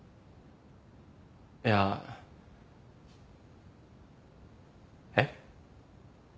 いや。えっ？